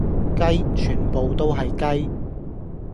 雞，全部都係雞